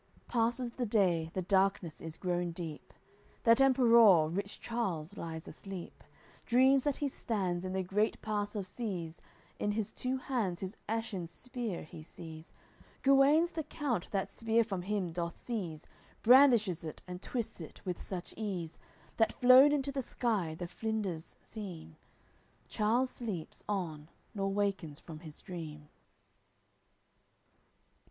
AOI. LVI Passes the day, the darkness is grown deep. That Emperour, rich Charles, lies asleep; Dreams that he stands in the great pass of Size, In his two hands his ashen spear he sees; Guenes the count that spear from him doth seize, Brandishes it and twists it with such ease, That flown into the sky the flinders seem. Charles sleeps on nor wakens from his dream.